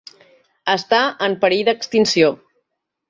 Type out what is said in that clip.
Està en perill d'extinció.